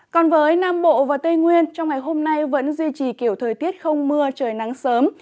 còn với nam bộ và tây nguyên trong ngày hôm nay vẫn duy trì kiểu thời tiết không mưa trời nắng sớm